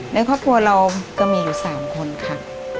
ในครอบครัวเราก็มีอยู่๓คนค่ะ